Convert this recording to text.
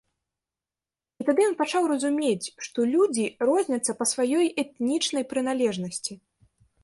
І тады ён пачаў разумець, што людзі розняцца па сваёй этнічнай прыналежнасці.